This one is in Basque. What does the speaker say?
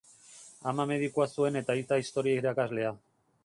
Ama medikua zuen eta aita historia irakaslea.